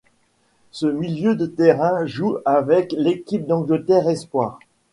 Ce milieu de terrain joue avec l'équipe d'Angleterre espoirs.